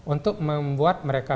untuk membuat mereka